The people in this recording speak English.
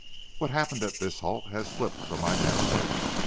What happened at this halt has slipped from my memory.